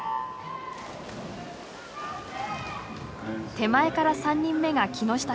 手前から３人目が木下選手。